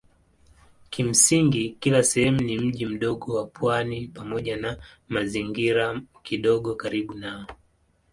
Kimsingi kila sehemu ni mji mdogo wa pwani pamoja na mazingira kidogo karibu nao.